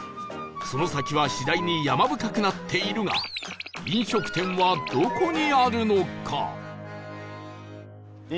その先は次第に山深くなっているが飲食店はどこにあるのか？